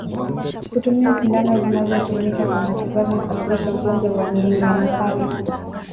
Kutumia sindano zilizotumika kwa matibabu husababisha ugonjwa wa Ndigana Kali